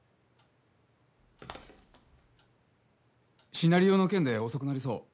「シナリオの件で遅くなりそう。